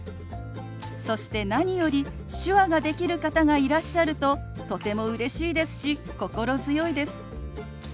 そして何より手話ができる方がいらっしゃるととてもうれしいですし心強いです。